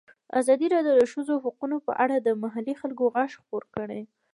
ازادي راډیو د د ښځو حقونه په اړه د محلي خلکو غږ خپور کړی.